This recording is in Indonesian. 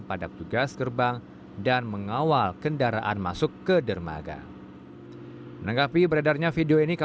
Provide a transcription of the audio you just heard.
pada tugas gerbang dan mengawal kendaraan masuk ke dermaga menanggapi beredarnya video ini